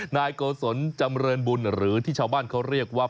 นายโกศลจำเรินบุญหรือที่ชาวบ้านเขาเรียกว่า